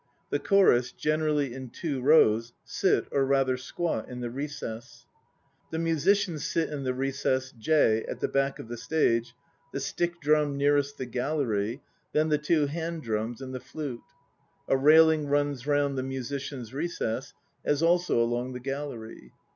The chorus, generally in two rows, sit (or rather squat) in the recess (0). The musicians sit in the recess (J) at the back of the stage, the stick drum nearest the "gallery," then the two hand drums and the flute. A railing runs round the musician's recess, as also along the gallery.